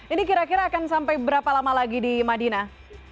ini kira kira akan sampai berapa lama lagi di madinah